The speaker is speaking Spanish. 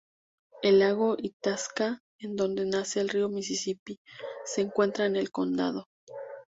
El lago Itasca, en donde nace el río Misisipi, se encuentra en el condado.